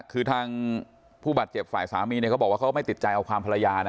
คือทางผู้บาดเจ็บฝ่ายสามีเขาบอกว่าเขาไม่ติดใจเอาความภรรยานะ